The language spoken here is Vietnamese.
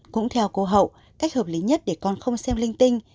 cũng theo cô hậu cách hợp lý nhất để con không xem linh tinh